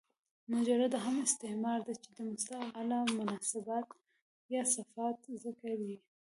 مجرده هغه استعاره ده، چي د مستعارله مناسبات یا صفات ذکر يي.